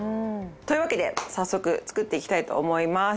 というわけで早速作っていきたいと思います。